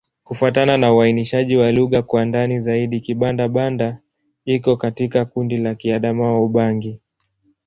Kufuatana na uainishaji wa lugha kwa ndani zaidi, Kibanda-Banda iko katika kundi la Kiadamawa-Ubangi.